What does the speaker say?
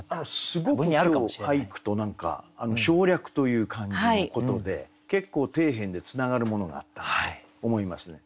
すごく今日俳句と何か省略という感じのことで結構底辺でつながるものがあったんだと思いますね。